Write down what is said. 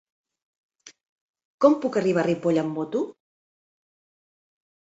Com puc arribar a Ripoll amb moto?